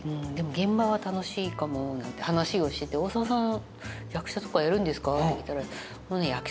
でも現場は楽しいかもなんて話をしてて大沢さん役者とかやるんですか？って聞いたら。